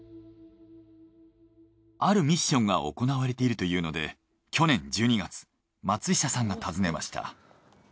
あるミッションが行われているというので去年１２月松下さんが訪ねました。